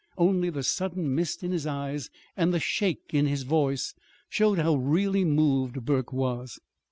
Only the sudden mist in his eyes and the shake in his voice showed how really moved Burke was.